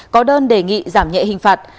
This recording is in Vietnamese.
có đơn đề nghị giảm nhẹ hình phạt